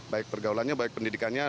baik pergaulannya baik pendidikannya